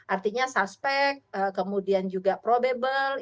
artinya suspek kemudian juga probable